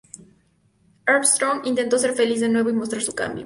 Armstrong intentó ser feliz de nuevo y mostrar un cambio.